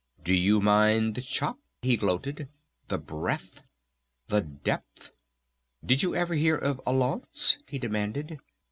Do you mind the chop?" he gloated. "The breadth! The depth!... Did you never hear of alauntes?" he demanded.